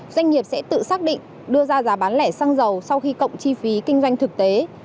doanh nghiệp sẽ tự xác định đưa ra giá bán lẻ xăng dầu sau khi cộng chi phí kinh doanh thực tế